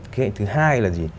cái thứ hai là gì